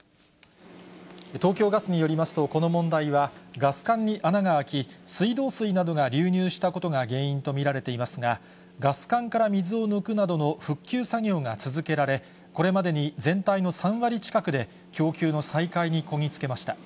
東京ガスによりますと、この問題はガス管に穴が開き、水道水などが流入したことが原因と見られていますが、ガス管から水を抜くなどの復旧作業が続けられ、これまでに全体の３割近くで供給の再開にこぎ着けました。